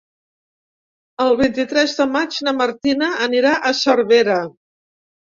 El vint-i-tres de maig na Martina anirà a Cervera.